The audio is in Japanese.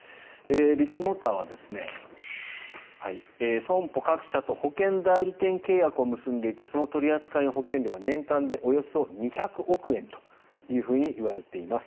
ビッグモーターは損保各社と保険代理店契約を結んでいてその取り扱い保険料は年間でおよそ２００億円といわれています。